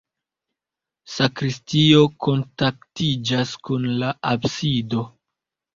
Sakristio kontaktiĝas kun la absido.